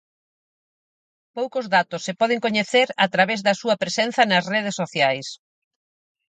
Poucos datos se poden coñecer a través da súa presenza na redes sociais.